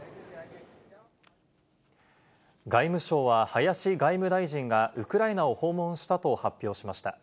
外務省は、林外務大臣がウクライナを訪問したと発表しました。